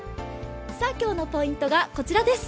今日のポイントがこちらです。